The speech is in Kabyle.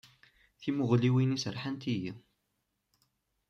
Timuɣliwin-is rḥant-iyi.